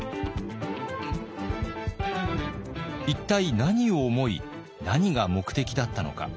一体何を思い何が目的だったのか。